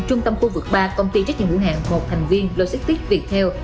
trung tâm khu vực ba công ty trách nhiệm ngũ hạng một thành viên logistics viettel